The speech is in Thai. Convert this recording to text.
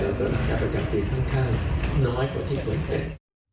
แล้วก็รับการประจำปีค่อนข้างน้อยกว่าที่ควรเป็น